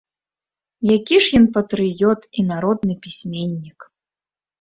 Які ж ён патрыёт і народны пісьменнік.